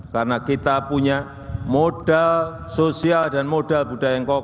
karena kita punya modal sosial dan modal budaya yang kokoh